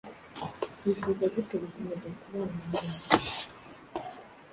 Wifuza gute gukomeza kubana nanjye?